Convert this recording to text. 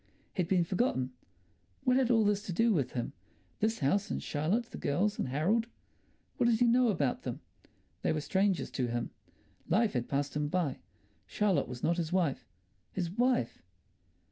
He'd been forgotten. What had all this to do with him—this house and Charlotte, the girls and Harold—what did he know about them? They were strangers to him. Life had passed him by. Charlotte was not his wife. His wife!